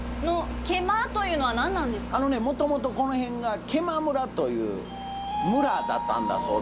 もともとこの辺が毛馬村という村だったんだそうですね。